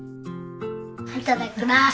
いただきます。